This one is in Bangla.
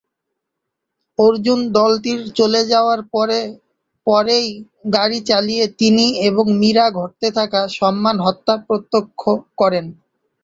অর্জুন দলটির চলে যাওয়ার পরে পরেই গাড়ি চালিয়ে তিনি এবং মীরা ঘটতে থাকা সম্মান হত্যা প্রত্যক্ষ করেন।